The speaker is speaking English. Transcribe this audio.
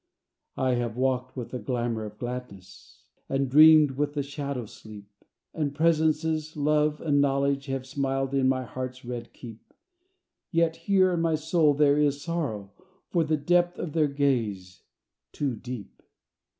I have walked with the glamour Gladness, And dreamed with the shadow Sleep; And the presences, Love and Knowledge, Have smiled in my heart's red keep; Yet here in my soul there is sorrow For the depth of their gaze too deep.